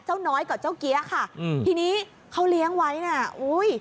น้อยกับเจ้าเกี๊ยะค่ะอืมทีนี้เขาเลี้ยงไว้น่ะอุ้ย